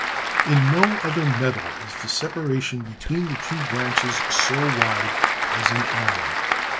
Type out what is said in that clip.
In no other metal is the separation between the two branches so wide as in iron.